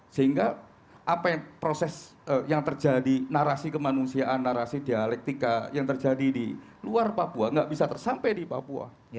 sehingga apa yang proses yang terjadi narasi kemanusiaan narasi dialektika yang terjadi di luar papua nggak bisa tersampai di papua